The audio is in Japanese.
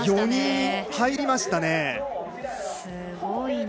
４人、入りましたね。